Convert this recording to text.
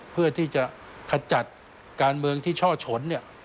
เพื่อที่จะขจัดการเมืองที่ช่อฉน